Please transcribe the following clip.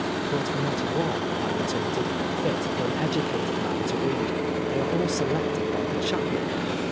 " But not one," I retorted, " fit for an educated man to read. They are all selected by the chaplain."